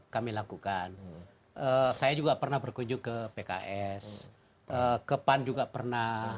kami lakukan saya juga pernah berkunjung ke pks ke pan juga pernah